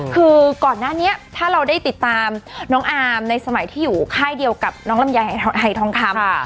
คือก่อนหน้านี้ถ้าเราได้ติดตามน้องอามในสมัยที่อยู่ค่ายเดียวกับน้องลำไยหายทองคำ